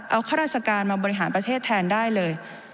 เอาข้าราชการมาบริหารประเทศแทนได้เลย